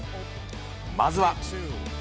まずは。